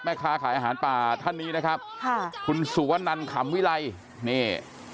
แม่ค้าขายอาหารป่าท่านนี้นะครับค่ะคุณสุวนันขำวิไลนี่